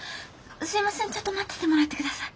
すいませんちょっと待っててもらって下さい。